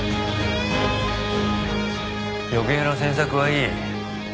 余計な詮索はいい。